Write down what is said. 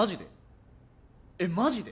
えっマジで？